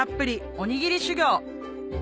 おにぎり修行！